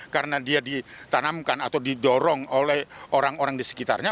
karena dia ditanamkan atau didorong oleh orang orang di sekitarnya